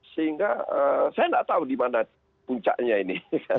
sehingga saya tidak tahu di mana puncaknya ini